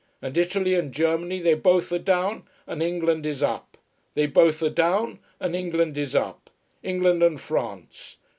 And Italy and Germany they both are down, and England is up. They both are down, and England is up. England and France.